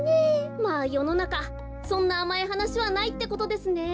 まあよのなかそんなあまいはなしはないってことですね。